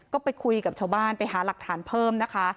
ก็ไปคุยกับชาวบ้านไปหาหลักฐานเพิ่มนะคะ